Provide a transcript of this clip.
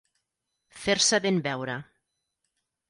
Fer-se ben veure.